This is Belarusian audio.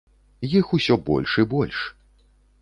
Іх усё больш і больш.